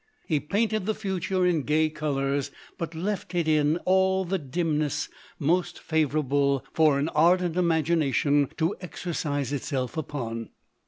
He painted the future in gay colours, but left it in all the dimness most favourable for an ardent imagination to exercise itself upon.